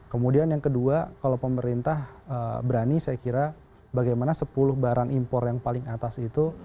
kemudian yang kedua kalau pemerintah berani saya kira bagaimana sepuluh barang impor yang paling atas itu